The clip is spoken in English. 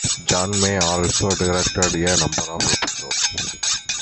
John May also directed a number of episodes.